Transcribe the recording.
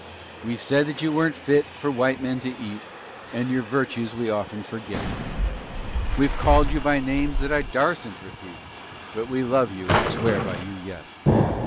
We've said that you weren't fit for white men to eat And your virtues we often forget. We've called you by names that I darsn't repeat, But we love you and swear by you yet.